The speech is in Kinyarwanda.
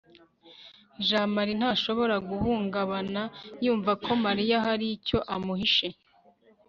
jamali ntashobora guhungabana yumva ko mariya hari icyo amuhishe